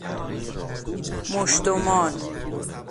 مشت و مال